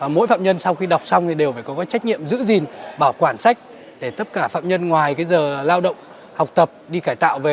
mỗi phạm nhân sau khi đọc xong thì đều phải có trách nhiệm giữ gìn bảo quản sách để tất cả phạm nhân ngoài cái giờ lao động học tập đi cải tạo về